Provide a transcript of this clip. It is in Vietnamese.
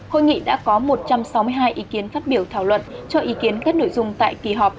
hội nghị đã có một trăm sáu mươi hai ý kiến phát biểu thảo luận cho ý kiến các nội dung tại kỳ họp